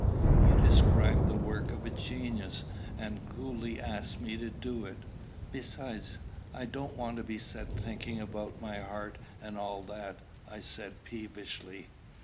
"You describe the work of a genius, and coolly ask me to do it. Besides, I don't want to be set thinking about my heart, and all that," I said peevishly.